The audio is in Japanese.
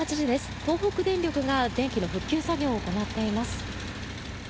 東北電力が電気の復旧作業を行っています。